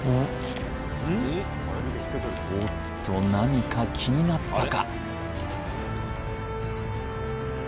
おっと何か気になったか？